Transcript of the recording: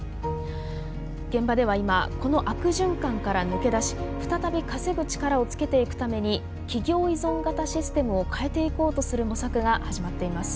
現場では今この悪循環から抜け出し再び稼ぐ力をつけていくために企業依存型システムを変えていこうとする模索が始まっています。